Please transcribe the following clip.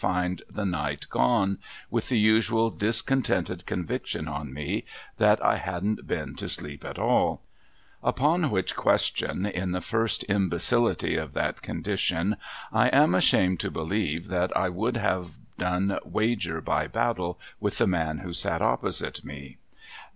000 THK HAUNTED HOUSE lind the night gone, witli the usual discontented conviction on nic that I hadn't been to sleep at all ;— upon which question, in the first imbecility of that condition, I am ashamed to believe that I would have done wager by battle with the man who sat opposite me.